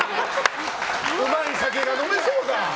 うまい酒が飲めそうだ。